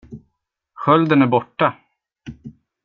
Skölden är borta!